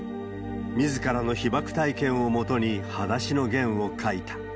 みずからの被爆体験をもとにはだしのゲンを描いた。